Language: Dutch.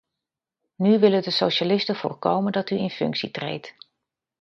Nu willen de socialisten voorkomen dat u in functie treedt.